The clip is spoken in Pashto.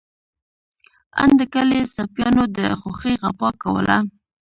آن د کلي سپيانو د خوښۍ غپا کوله.